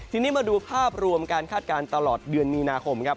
ทีนี้มาดูภาพรวมการคาดการณ์ตลอดเดือนมีนาคมครับ